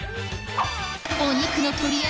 お肉の取り合い